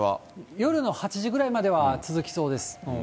夜の８時ぐらいまでは続きそうです。